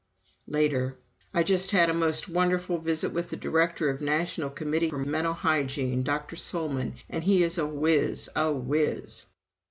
Later: "I just had a most wonderful visit with the Director of the National Committee for Mental Hygiene, Dr. Solman, and he is a wiz, a wiz!"